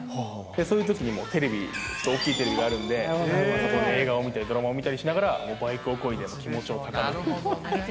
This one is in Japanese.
そういうときにもうテレビ、大きいテレビがあるんで、そこで映画を見たり、ドラマを見たりしながら、バイクをこいで、気持ちを高めて。